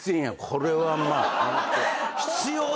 これはまあ。